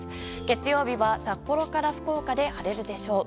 月曜日は札幌から福岡で晴れるでしょう。